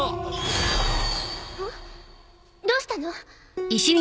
んどうしたの？